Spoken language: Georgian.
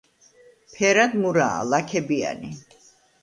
ფერად მურაა, ლაქებიანი.